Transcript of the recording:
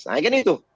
nah gini tuh